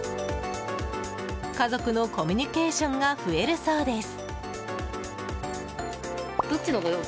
家族のコミュニケーションが増えるそうです。